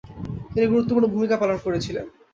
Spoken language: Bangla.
তিনি গুরুত্বপূর্ণ ভূমিকা পালন করেছিলেন।